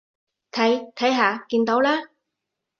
睇，睇下，見到啦？